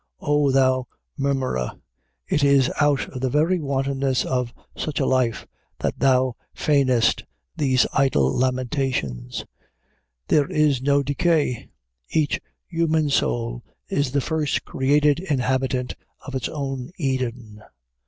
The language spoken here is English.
Oh, thou murmurer, it is out of the very wantonness of such a life that thou feignest these idle lamentations. There is no decay. Each human soul is the first created inhabitant of its own Eden.